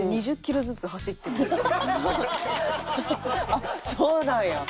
あっそうなんや。